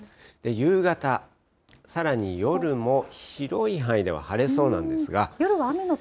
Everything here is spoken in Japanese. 夕方、さらに夜も広い範囲では、晴れそうなんですが。